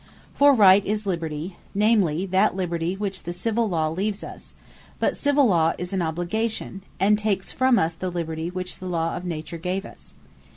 For Right is Liberty, namely that Liberty which the Civil Law leaves us: But Civill Law is an Obligation; and takes from us the Liberty which the Law of Nature gave us.